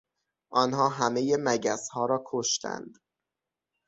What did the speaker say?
آنها همهی مگسها را کشتند.